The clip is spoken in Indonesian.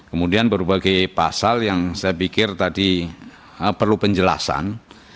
kemudian berbagai pasal yang saya pikir tadi perlu penjelasan